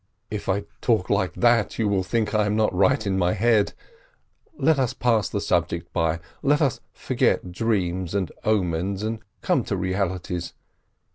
"If I talk like that you will think I am not right in my head: let us pass the subject by, let us forget dreams and omens and come to realities.